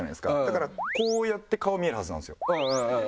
だからこうやって顔見えるはずなんですよ。